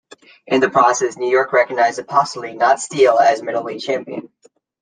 In the process, New York recognized Apostoli, not Steele as middleweight champion.